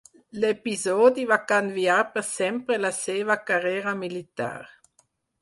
L'episodi va canviar per sempre la seva carrera militar.